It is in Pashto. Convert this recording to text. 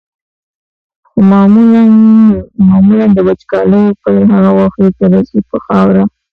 خو معمولا د وچکالۍ پیل هغه وخت وي کله چې په خاوره.